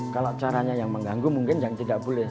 kalau caranya yang mengganggu mungkin yang tidak boleh